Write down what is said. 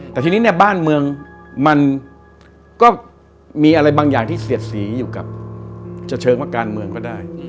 แต่ทีนี้เนี่ยบ้านเมืองมันก็มีอะไรบางอย่างที่เสียดสีอยู่กับจะเชิงว่าการเมืองก็ได้